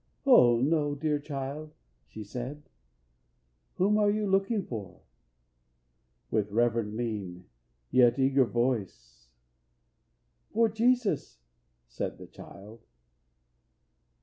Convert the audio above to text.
"O no, dear child," she said, "Whom are you looking for?" With reverent mien, Yet eager voice, "For Jesus," said the child.